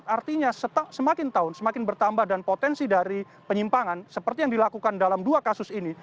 artinya semakin tahun semakin bertambah dan potensi dari penyimpangan seperti yang dilakukan dalam dua kasus ini